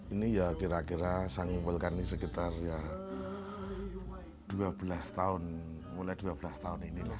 ini ya kira kira sangumpulkan di sekitar dua belas tahun mulai dua belas tahun ini